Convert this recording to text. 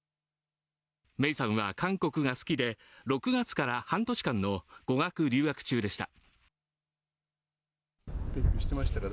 芽生さんは韓国が好きで、６月から半年間の語学留学中でした。